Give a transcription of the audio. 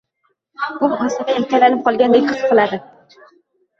u o‘zini yakkalanib qolgandek his qiladi.